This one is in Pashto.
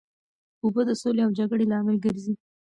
اوبه د سولې او جګړې لامل ګرځي.